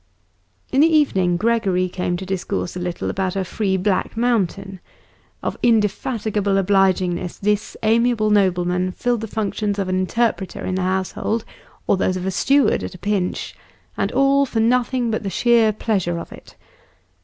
In the evening Gregory came to discourse a little about a free Black Mountain. Of indefatigable obligingness, this amiable nobleman filled the functions of an interpreter in the household, or those of a steward at a pinch, and all for nothing for the sheer pleasure of it.